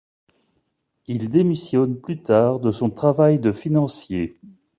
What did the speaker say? Il démissionne plus tard de son travail de financier.